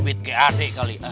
ibit kayak adik kali ya